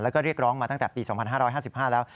แล้วก็เรียกร้องมาตั้งแต่ปี๒๕๕๕แล้ว